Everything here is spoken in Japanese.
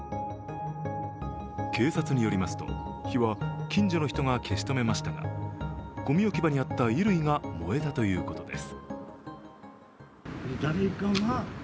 警察によりますと、火は近所の人が消し止めましたがごみ置き場にあった衣類が燃えたということです。